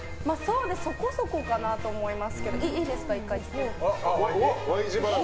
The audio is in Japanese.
そこそこかなと思いますけどＹ字バランス。